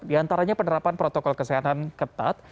di antaranya penerapan protokol kesehatan ketat